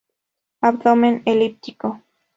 Abdomen elíptico.